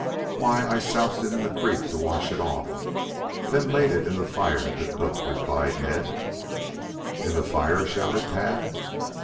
"Why, I soused it in the creek to wash it off, then laid it in the fire to cook," replied Ned. "In the fire?" shouted Tad.